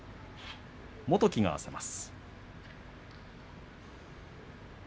元基が合わせます。